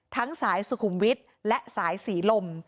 สายสุขุมวิทย์และสายสีลม